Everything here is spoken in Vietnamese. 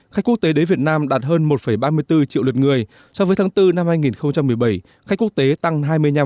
khách quốc tế đến việt nam đạt hơn một ba mươi bốn triệu lượt người so với tháng bốn năm hai nghìn một mươi bảy khách quốc tế tăng hai mươi năm